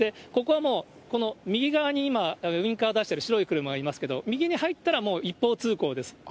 ここはもう、この右側に今、ウインカーを出している白い車がいますけど、右に入ったら、もう一方通行です。